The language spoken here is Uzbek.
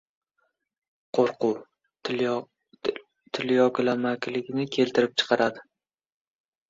Qo‘rquv tilyoglamalikni keltirib chiqaradi.